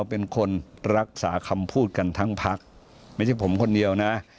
เป็นคนรักษาคำพูดกันทั้งพักไม่ใช่ผมคนเดียวนะ